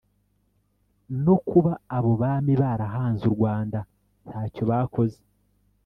no kuba abo bami barahanze u Rwanda ntacyo bakoze